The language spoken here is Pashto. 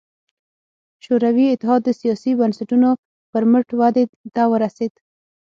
شوروي اتحاد د سیاسي بنسټونو پر مټ ودې ته ورسېد.